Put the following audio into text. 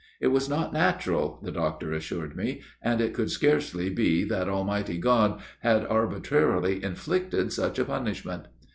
It was not natural, the doctor assured me, and it could scarcely be that Almighty God had arbitrarily inflicted such a punishment.